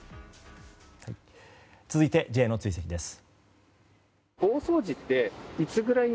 続いてＪの追跡です。